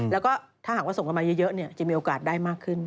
แล้วก็ถ้าหากว่าส่งกันมาเยอะจะมีโอกาสได้มากขึ้น